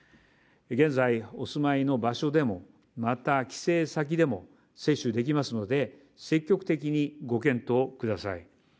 現在お住まいの場所でも、また帰省先でも接種できますので、積極的にご検討ください。